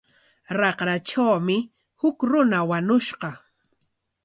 Raqratrawmi huk runa wañushqa.